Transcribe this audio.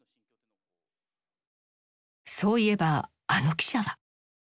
そういえばあの記者は？